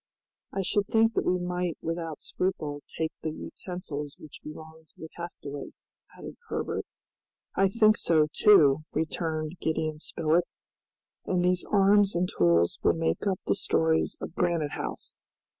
"I should think that we might without scruple take the utensils which belonged to the castaway," added Herbert. "I think so, too," returned Gideon Spilett, "and these arms and tools will make up the stores of Granite House.